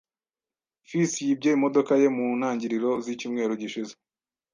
Fils yibye imodoka ye mu ntangiriro zicyumweru gishize.